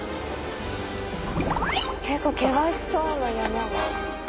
結構険しそうな山がある。